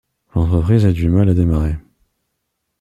L'entreprise a du mal à démarrer.